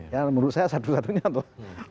ya menurut saya satu satunya tuh